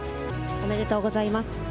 おめでとうございます。